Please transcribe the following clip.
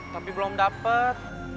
tapi belum dapet